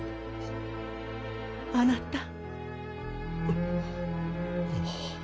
あなた！